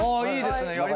いいですね。